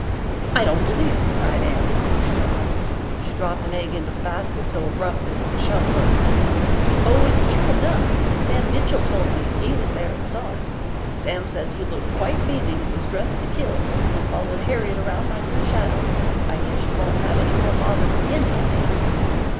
"I don't believe it," cried Anne, before she thought. She dropped an egg into the basket so abruptly that the shell broke. "Oh, it's true enough. Sam Mitchell told me; he was there and saw him. Sam says he looked quite beaming, and was dressed to kill, and followed Harriet around like her shadow. I guess you won't have any more bother with him, Aunt Anne."